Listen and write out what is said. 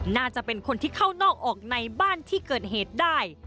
น่าจะเป็นคนที่เข้านอกออกในบ้านที่เกิดเหตุได้